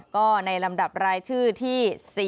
ก็ในลำดับรายชื่อที่๔